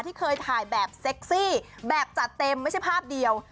ที่เคยถ่ายแบบเซ็กซี่แบบจัดเต็มไม่ใช่ภาพเดียว